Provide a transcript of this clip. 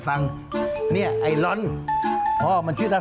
เพราะม่ะมาจากป่ายยาง